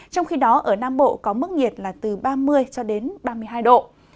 trong khi đó ở nam bộ có mức nhiệt là từ ba mươi ba mươi hai độ